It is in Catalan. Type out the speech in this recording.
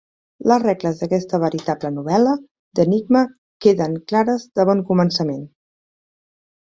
Les regles d'aquesta veritable novel·la d'enigma queden clares de bon començament.